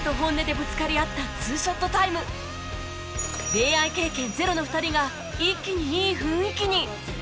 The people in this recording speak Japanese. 恋愛経験ゼロの２人が一気にいい雰囲気に